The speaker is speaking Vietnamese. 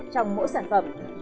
trong mỗi sản phẩm